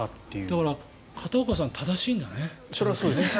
だから片岡さん正しいんだね。